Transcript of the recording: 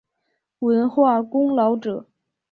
文化功劳者。